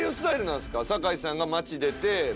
酒井さんが町出て足で。